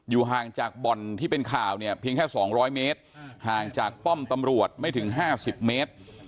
อยู่ห่างจากบ่อนที่เป็นข่าวเนี่ยเพียงแค่สองร้อยเมตรห่างจากป้อมตำรวจไม่ถึงห้าสิบเมตร